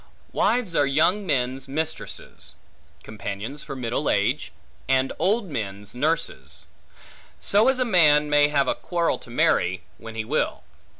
Wives are young men's mistresses; companions for middle age; and old men's nurses. So as a man may have a quarrel to marry, when he will.